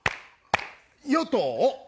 与党。